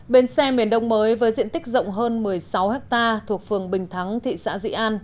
bến xe miền đông mới với diện tích rộng hơn một mươi sáu hectare thuộc phường bình thắng thị xã dị an